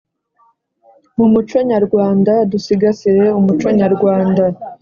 mu muco nyarwanda. Dusigasire umuco nyarwanda